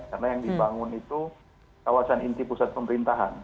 karena yang dibangun itu kawasan inti pusat pemerintahan